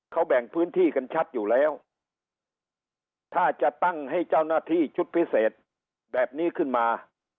เขาแบ่งพื้นที่กันชัดอยู่แล้วถ้าจะตั้งให้เจ้าหน้าที่ชุดพิเศษแบบนี้ขึ้นมา